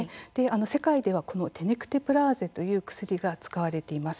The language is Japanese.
世界ではテネクテプラーゼという薬が使われています。